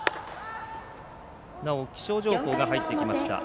気象情報が入ってきました。